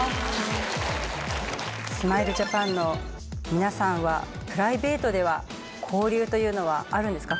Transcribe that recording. スマイルジャパンの皆さんはプライベートでは交流というのはあるんですか？